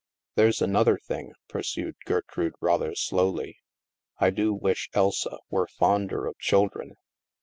"There's another thing," pursued Gertrude rather slowly. " I do wish Elsa were fonder of children.